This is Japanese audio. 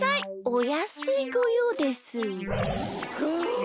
おやすいごようです。